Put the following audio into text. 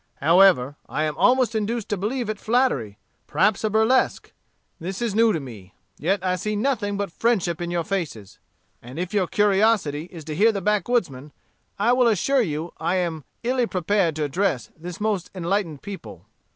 However, I am almost induced to believe it flattery perhaps a burlesque. This is new to me, yet I see nothing but friendship in your faces; and if your curiosity is to hear the backwoodsman, I will assure you I am illy prepared to address this most enlightened people.